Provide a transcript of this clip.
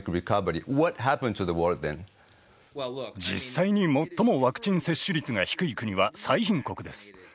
実際に最もワクチン接種率が低い国は最貧国です。